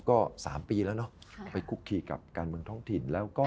ก็๓ปีแล้วเนอะไปคุกคีกับการเมืองท้องถิ่นแล้วก็